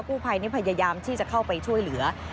กู้ไพพยายามที่จะเข้าไปช่วยเหลือ